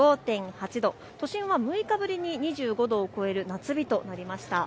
都心は６日ぶりに２５度を超える夏日となりました。